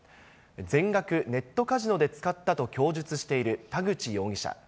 全額ネットカジノで使ったと供述している田口容疑者。